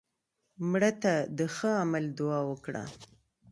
مړه ته د ښه عمل دعا وکړه